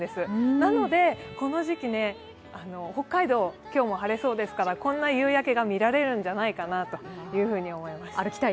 なのでこの時期、北海道、今日も晴れそうですからこんな夕焼けが見られるんじゃないかなと思います。